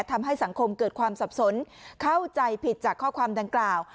ทำให้สังคมเกิดความสับสนเข้าใจผิดจากข้อความดังกล่าว